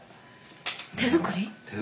手作り。